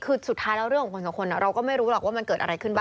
คือสุดท้ายแล้วเรื่องของคนสองคนเราก็ไม่รู้หรอกว่ามันเกิดอะไรขึ้นบ้าง